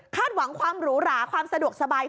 หวังความหรูหราความสะดวกสบาย